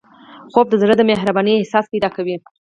خوب د زړه د مهربانۍ احساس پیدا کوي